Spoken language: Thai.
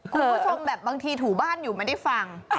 คุณผู้ชมแบบบางทีถูบ้านอยู่ไม่ได้ฟัง